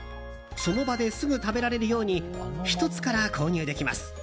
その場ですぐ食べられるように１つから購入できます。